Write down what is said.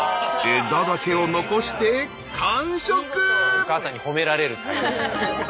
お母さんに褒められる。